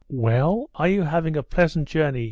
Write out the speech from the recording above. "Well, are you having a pleasant journey?"